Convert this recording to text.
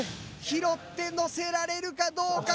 拾ってのせられるかどうか。